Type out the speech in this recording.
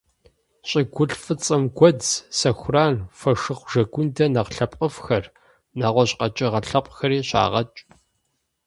ЩӀыгулъ фӀыцӀэм гуэдз, сэхуран, фошыгъу жэгундэ нэхъ лъэпкъыфӀхэр, нэгъуэщӀ къэкӀыгъэ лъэпкъхэри щагъэкӀ.